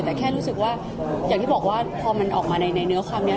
แต่แค่รู้สึกว่าอย่างที่บอกว่าพอมันออกมาในเนื้อความนี้